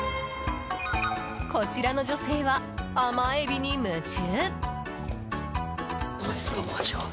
こちらの女性は甘エビに夢中。